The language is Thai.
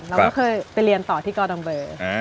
เราก็เคยไปเรียนต่อที่กอดอมเบอร์